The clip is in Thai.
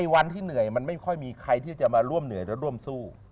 วันที่เหนื่อยมันไม่ค่อยมีใครที่จะมาร่วมเหนื่อยและร่วมสู้